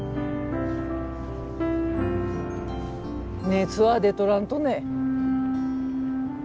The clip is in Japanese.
熱は出とらんとね？